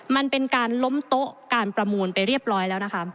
มันเป็นการล้มโต๊ะการประมูลไปเรียบร้อยแล้วนะคะ